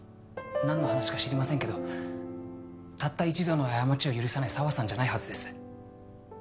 なんの話か知りませんけどたった一度の過ちを許さない爽さんじゃないはずです。